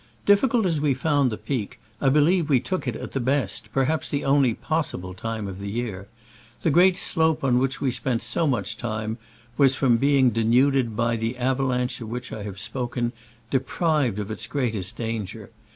Difficult as we found the peak, I believe we took it at the best, perhaps the only possible, tinae' of the year. The great slope on which we spent so much time was, from being denuded by the avalanche of which I have spoken, deprived of its greatest danger.